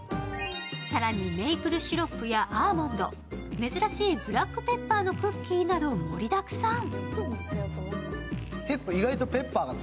更にメープルシロップやアーモンド、珍しいブラックペッパーのクッキーなど盛りだくさん。